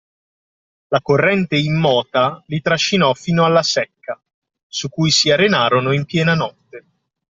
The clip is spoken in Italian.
La corrente immota li trascinò fino alla secca, su cui si arenarono in piena notte.